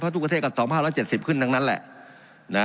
เพราะว่าทุกประเทศกันสองห้าร้านเจ็ดสิบขึ้นดังนั้นแหละน่ะ